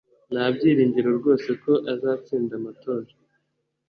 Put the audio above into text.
nta byiringiro rwose ko azatsinda amatora